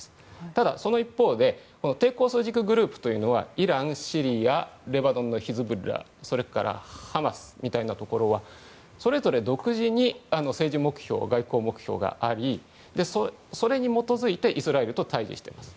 ただ、その一方で抵抗枢軸グループというのはイラン、シリアレバノンのヒズボラそれからハマスみたいなところはそれぞれ独自に政治目標、外交目標がありそれに基づいてイスラエルと対峙しています。